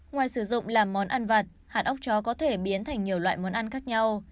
ngoài sử dụng làm món ăn vặt hạt ốc chó có thể biến thành nhiều loại món ăn khác nhau